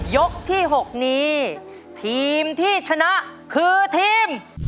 ยกที่๖นี้ทีมที่ชนะคือทีม